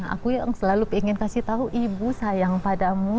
aku yang selalu ingin kasih tahu ibu sayang padamu